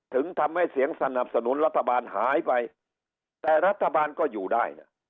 ถึงทำให้เสียงสนับสนุนรัฐบาลหายไปแต่รัฐบาลก็อยู่ได้นะ